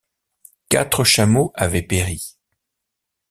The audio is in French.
Quatre chameaux avaient péri.